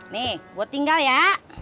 nih gua tinggal ya